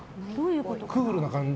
クールな感じ？